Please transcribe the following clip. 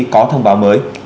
có thông báo mới